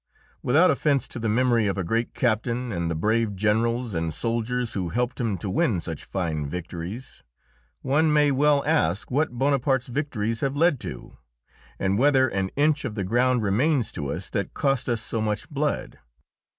Without offense to the memory of a great captain and the brave generals and soldiers who helped him to win such fine victories, one may well ask what Bonaparte's victories have led to, and whether an inch of the ground remains to us that cost us so much blood.